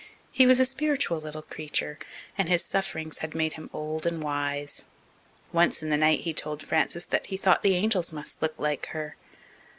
He was a spiritual little creature, and his sufferings had made him old and wise. Once in the night he told Frances that he thought the angels must look like her.